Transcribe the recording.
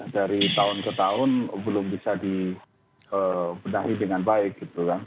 dari tahun ke tahun belum bisa diberdahi dengan baik